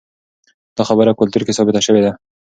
دا خبره په کلتور کې ثابته شوې ده.